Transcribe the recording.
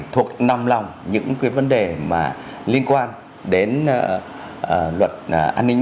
thuộc năm lòng những cái vấn đề mà liên quan đến luật an ninh